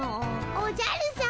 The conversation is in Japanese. おじゃるさま